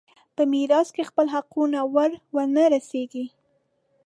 په میراث کې خپل حقونه ور ونه رسېږي.